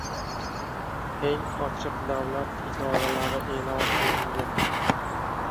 Eng ochiq davlat idoralari e’lon qilindi